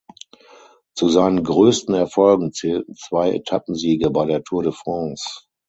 Zu seinen größten Erfolgen zählten zwei Etappensiege bei der Tour de France.